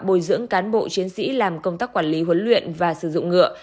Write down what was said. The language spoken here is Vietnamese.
bồi dưỡng cán bộ chiến sĩ làm công tác quản lý huấn luyện và sử dụng ngựa